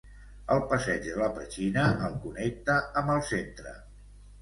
El passeig de la Petxina el connecta amb el centre.